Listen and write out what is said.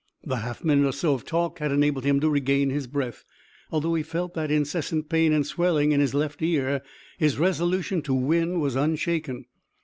The half minute or so of talk had enabled him to regain his breath. Although he felt that incessant pain and swelling in his left ear, his resolution to win was unshaken.